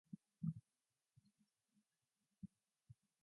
Below is the list of video games developed by Techland.